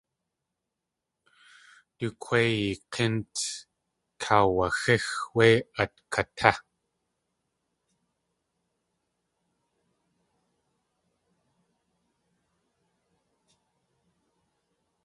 Du kwéiyi k̲ínt kaawaxíx wé at katé.